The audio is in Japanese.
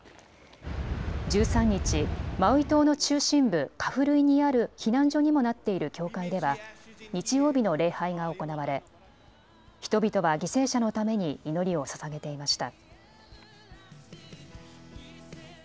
１３日、マウイ島の中心部カフルイにある避難所にもなっている教会では日曜日の礼拝が行われ人々は犠牲者のために祈りをささげていました。